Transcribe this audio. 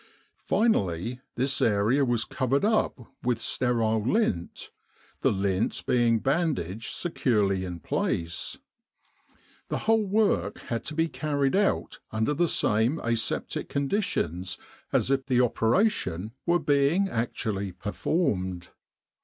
Finally, this area was covered up with sterile lint, the lint being bandaged securely in place. The whole work had to be carried out under the same aseptic conditions as if the opera tion were being actually performed.